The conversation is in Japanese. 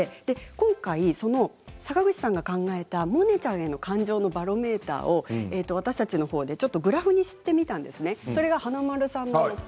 今回、坂口さんが考えたモネちゃんへの感情のバロメーターを私たちグラフにしてみました。